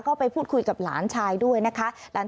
จิตหลอนเกาะเหตุข้าวป้าของตัวเอง